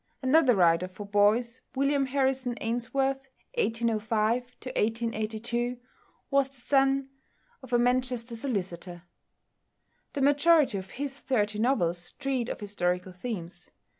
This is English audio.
Another writer for boys, =William Harrison Ainsworth (1805 1882)=, was the son of a Manchester solicitor. The majority of his thirty novels treat of historical themes.